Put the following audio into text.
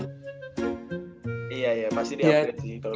iya ya masuk banget sih taitum masuk banget sih taitum menurut gue